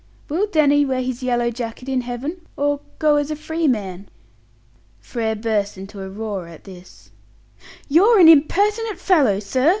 "Will Danny wear his yellow jacket in Heaven, or go as a free man?" Frere burst into a roar at this. "You're an impertinent fellow, sir!"